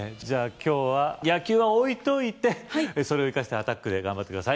今日は野球は置いといてそれを生かしてアタックで頑張ってください